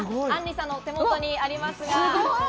あんりさんの手元にあります。